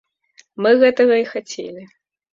Мы гэтага і хацелі.